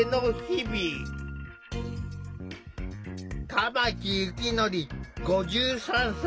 玉木幸則５３歳。